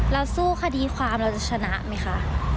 สู้คดีความเราจะชนะไหมคะ